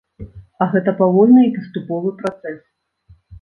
А гэта павольны і паступовы працэс.